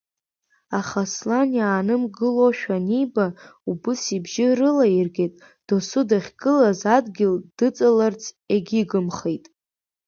Аха Аслан иаанымгылошәа аниба, убас ибжьы рылаиргеит, досу дахьгылаз адгьыл дыҵаларц егьигымхеит…